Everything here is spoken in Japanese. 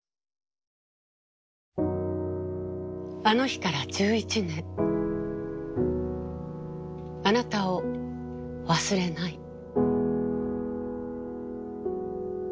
あの日から１１年あなたを忘れない。